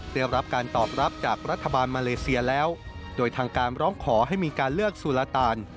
ได้รับการตอบรับจากรัฐบาลมาเลเซียแล้วโดยทางการร้องขอให้มีการเลือกสุราตาน